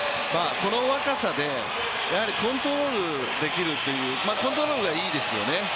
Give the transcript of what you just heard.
この若さでコントロールできるというコントロールがいいですよね。